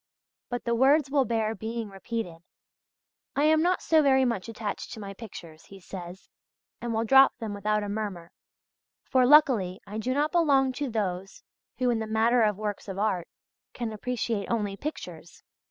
But the words will bear being repeated: "I am not so very much attached to my pictures," he says, "and will drop them without a murmur; for, luckily, I do not belong to those who, in the matter of works of art, can appreciate only pictures.